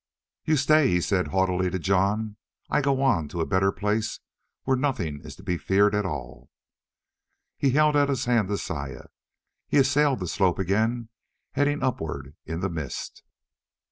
"You stay," he said haughtily, to Jon. "I go on, to a better place where nothing is to be feared at all!" He held out his hand to Saya. He assailed the slope again, heading upward in the mist.